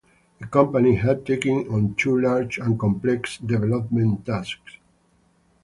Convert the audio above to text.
The company had taken on too large and complex development tasks.